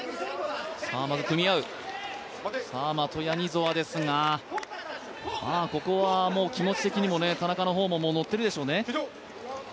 マトニヤゾワですが、気持ち的にも田中の方ものっているでしょうね。